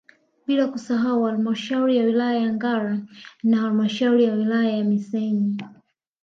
Bila kusahau halmashauri ya wilaya ya Ngara na halmashauri ya wilaya ya Misenyi